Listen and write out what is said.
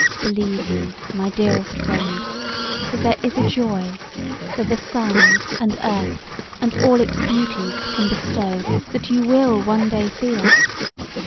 Believe me, my dearest friend, that there is a joy that the sun and earth and all its beauties can bestow that you will one day feel.